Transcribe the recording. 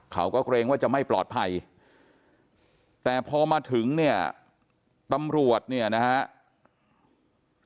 เกรงว่าจะไม่ปลอดภัยแต่พอมาถึงเนี่ยตำรวจเนี่ยนะครับ